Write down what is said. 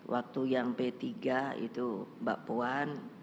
waktu yang p tiga itu mbak puan